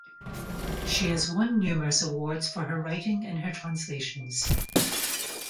She has won numerous awards for her writing and her translations.